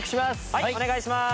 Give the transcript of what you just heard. はいお願いします！